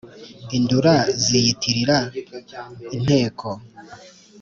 indura ziyitirira inteko